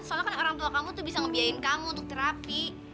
soalnya kan orang tua kamu tuh bisa ngebiayain kamu untuk terapi